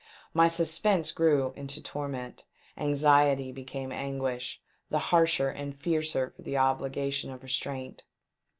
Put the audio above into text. My suspense grew into torment ; anxiety became anguish, the harsher and fiercer for the obligation of restraint.